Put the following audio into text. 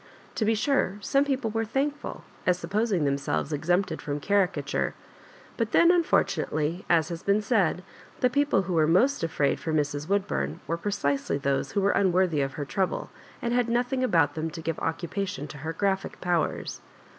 To be sure some people were thankful, as sup posing themselves exempted from caricature; but then unfortunately, as has been said, the people who were most afraid for Mrs. Woodbum were precisely those who were unworthy of her trouble, and had nothing about them to give occupation to her graphic powers.